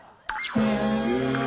へえ。